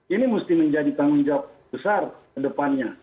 ini mesti menjadi tanggung jawab besar kedepannya